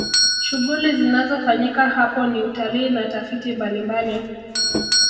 shughuli zinazofanyika hapo ni utalii na tafiti mbalimbali